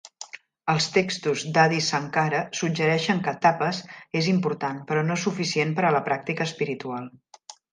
Els textos d"Adi Sankara suggereixen que "Tapas" és important, però no suficient per a la pràctica espiritual.